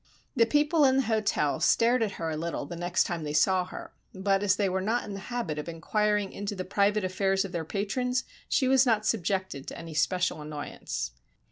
The people in the hotel stared at her a little the next time they saw her, but as they were not in the habit of inquiring into the private affairs of their patrons, she was not subjected to any special annoyance.